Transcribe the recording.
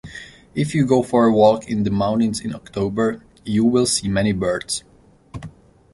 If you go for a walk in the mountains in October, you will see many birds.